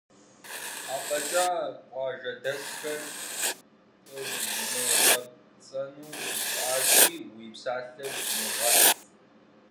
АфӀэкӀа къуажэдэсхэр къыумыгъэпцӀэну жыпӀащи, уи псалъэр умыгъэпцӀ!